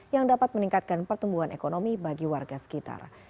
yang dapat meningkatkan pertumbuhan ekonomi bagi warga sekitar